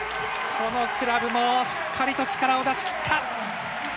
このクラブもしっかりと力を出し切った。